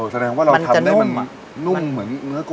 แสดงว่าเราทำได้มันนุ่มเหมือนเนื้อโก